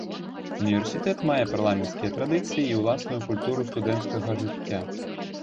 Універсітэт мае парламенцкія традыцыі і ўласную культуру студэнцкага жыцця.